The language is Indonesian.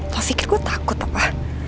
lo pikir gue takut apa